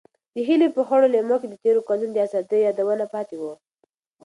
د هیلې په خړو لیمو کې د تېرو کلونو د ازادۍ یادونه پاتې وو.